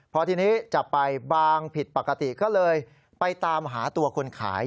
พอทีนี้จับไปบางผิดปกติก็เลยไปตามหาตัวคนขาย